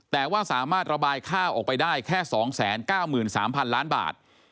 แต่ว่าสามารถระบายข้าวออกไปได้แค่๒๙๓๐๐๐ล้านบาท